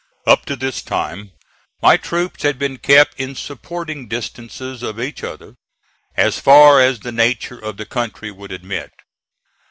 Up to this time my troops had been kept in supporting distances of each other, as far as the nature of the country would admit.